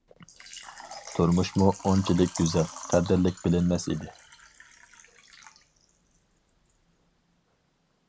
تۇرمۇشمۇ ئۇنچىلىك گۈزەل، قەدىرلىك بىلىنمەس ئىدى.